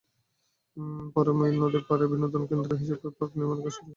পরে ময়ূর নদের পাড়ে বিনোদনকেন্দ্র হিসেবে পার্ক নির্মাণের কাজও শুরু হয়।